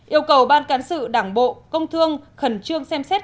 yêu cầu ban cán sự đảng bộ công thương khẩn trương xem xét